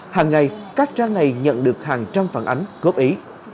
hàng ngày các trang này nhận được hàng trăm phản ánh góp ý